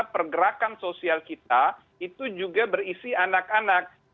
pergerakan sosial kita itu juga berisi anak anak